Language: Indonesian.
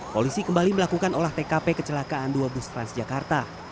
polisi kembali melakukan olah tkp kecelakaan dua bus transjakarta